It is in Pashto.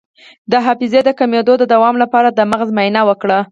د حافظې د کمیدو د دوام لپاره د مغز معاینه وکړئ